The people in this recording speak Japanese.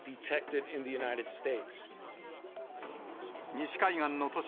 西海岸の都市